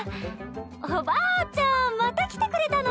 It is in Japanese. おばあちゃんまた来てくれたの？